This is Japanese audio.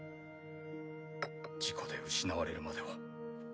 事故で失われるまでは。